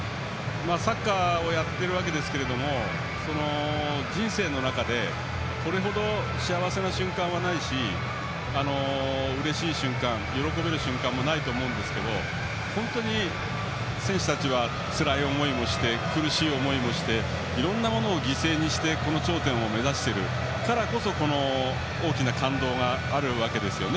サッカーをやっているわけですけども人生の中でこれほど幸せな瞬間はないしうれしい瞬間、喜べる瞬間もないと思いますが本当に選手たちはつらい思いもして苦しい思いもしていろいろなものを犠牲にしてこの頂点を目指しているからこそこの大きな感動があるわけですね。